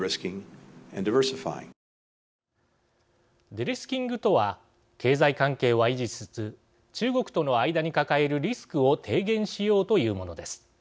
デリスキングとは経済関係は維持しつつ中国との間に抱えるリスクを低減しようというものです。